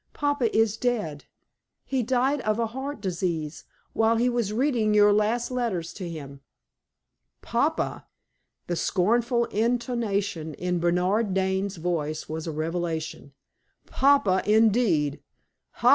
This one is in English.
Papa is dead; he died of heart disease while he was reading your last letters to him!" "Papa!" the scornful intonation in Bernard Dane's voice was a revelation. "Papa, indeed! Ha!